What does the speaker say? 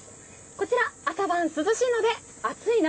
こちら朝晩涼しいので暑い夏